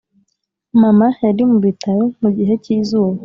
mama yari mu bitaro mu gihe cyizuba.